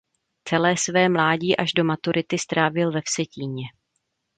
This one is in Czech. Celé své mládí až do maturity strávil ve Vsetíně.